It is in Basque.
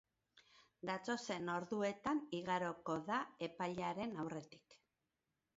Datozen orduetan igaroko da epailearen aurretik.